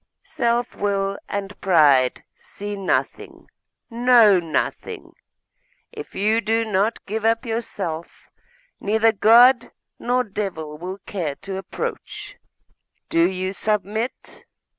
Self will and pride see nothing, know nothing. If you do not give up yourself, neither God nor devil will care to approach. Do you submit?